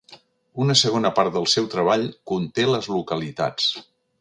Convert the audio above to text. Una segona part del seu treball conté les localitats.